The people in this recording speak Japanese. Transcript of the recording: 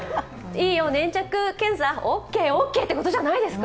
いいよ、粘着検査、オッケー、オッケーってことじゃないですか。